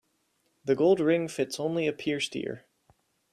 The gold ring fits only a pierced ear.